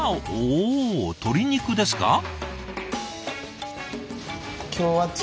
お鶏肉ですか？